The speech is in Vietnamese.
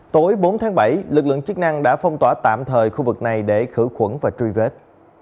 tối bốn tháng bảy lực lượng chức năng đã phong tỏa tạm thời khu vực này để khử khuẩn và truy vết